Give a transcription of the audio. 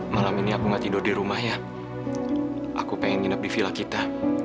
malam ini aku nggak tidur di rumah ya aku pengen hidup di vila kita